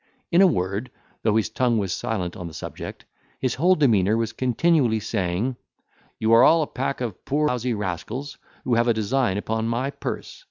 In a word, though his tongue was silent on the subject, his whole demeanour was continually saying, "You are all a pack of poor lousy rascals, who have a design upon my purse.